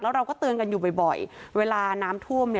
แล้วเราก็เตือนกันอยู่บ่อยบ่อยเวลาน้ำท่วมเนี่ย